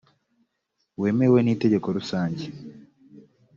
wemewe n inteko rusange